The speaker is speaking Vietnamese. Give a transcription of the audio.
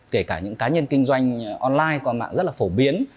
kể cả những cá nhân kinh doanh online qua mạng rất là phổ biến